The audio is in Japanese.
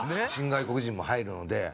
新外国人も入るので。